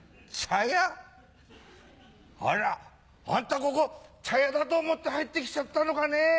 あらあんたここ茶屋だと思って入ってきちゃったのかね。